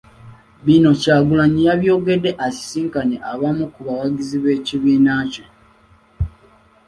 Bino Kyagulanyi yabyogedde asisinkanye abamu ku bawagizi b’ekibiina kye.